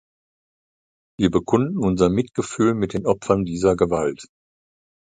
Wir bekunden unser Mitgefühl mit den Opfern dieser Gewalt.